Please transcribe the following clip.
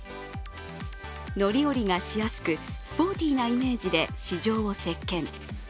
乗り降りがしやすく、スポーティーなイメージで市場を席けん。